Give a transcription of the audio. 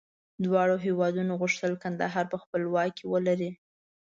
دواړو هېوادونو غوښتل کندهار په خپل واک کې ولري.